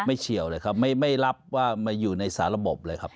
เฉียวเลยครับไม่รับว่ามาอยู่ในสาระบบเลยครับ